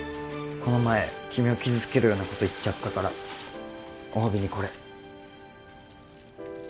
この前君を傷つけるようなこと言っちゃったからおわびにこれ。